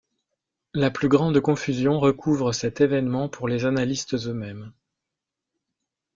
La plus grande confusion recouvre cet événement pour les annalistes eux-mêmes.